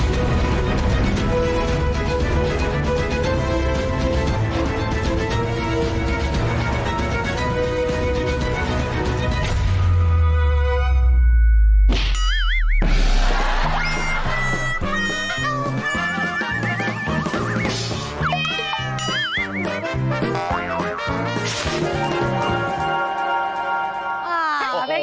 อ๋อเป็นไงล่ะน่ารักไหมล่ะ